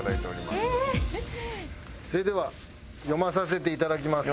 それでは読まさせていただきます。